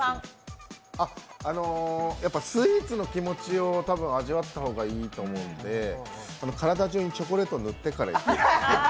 やっぱスイーツの気持ちを多分味わった方がいいと思うんで、体じゅうにチョコレートを塗ってから行く。